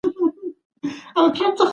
که پښتو ژبه وي، نو هویت به تل مهم وي.